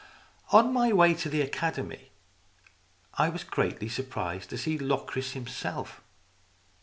On my way to the Academy I was greatly sur prised to see Locris himself.